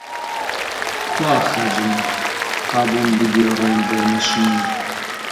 کوا «خەج»م تا بۆم بگێڕێ گەرمە شین؟!